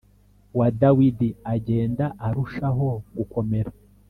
wa Dawidi agenda arusha ho gukomera